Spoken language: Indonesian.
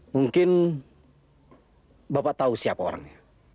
mungkin bapak tahu siapa orangnya